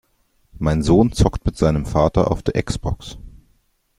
Mein Sohn zockt mit seinem Vater auf der X-Box!